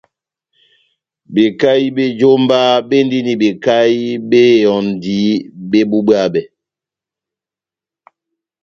Bekahi bé jómba béndini bekahi bé ehɔndi bébubwabɛ.